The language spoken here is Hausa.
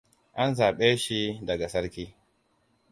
An zaɓe shi daga sarki.